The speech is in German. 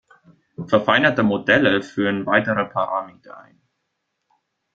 Verfeinerte Modelle führen weitere Parameter ein.